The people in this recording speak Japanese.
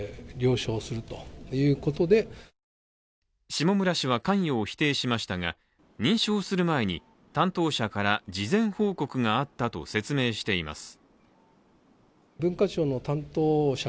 下村氏は関与を否定しましたが、認証する前に、担当者から事前報告があったと説明しています。